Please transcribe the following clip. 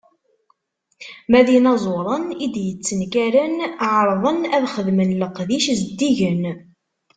Ma d inaẓuren i d-yettenkaren, ɛerrḍen ad xedmen leqdic zeddigen.